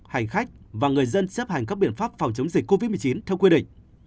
hành khách và người dân chấp hành các biện pháp phòng chống dịch covid một mươi chín theo quy định